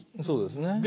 そうですね。